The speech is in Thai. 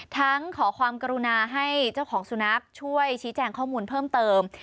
ขอความกรุณาให้เจ้าของสุนัขช่วยชี้แจงข้อมูลเพิ่มเติม